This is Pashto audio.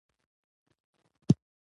هغه د پښتو ژبې د غنا لپاره یو ستر کار وکړ.